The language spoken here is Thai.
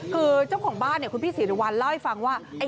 คือเจ้าของบ้านคุณพี่ศรีรวรรณเล่าให้ฟังว่า